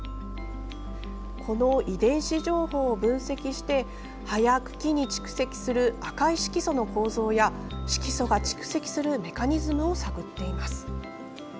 この遺伝子情報を分析して葉や茎に蓄積する赤い色素の構造や色素が蓄積するメカニズムを探っています。